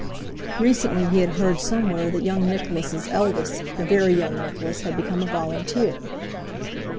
Recently he had heard somewhere that young Nicholas' eldest, very young Nicholas, had become a Volunteer.